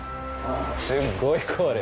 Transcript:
すごいこれ。